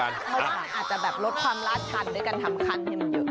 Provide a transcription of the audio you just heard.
อาจจะแบบลดความล้าชันด้วยกันทำคันให้มันเยอะ